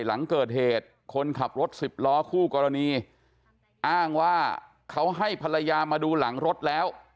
หลังเกิดเหตุคนขับรถสิบล้อคู่กรณีอ้างว่าเขาให้ภรรยามาดูหลังรถแล้ว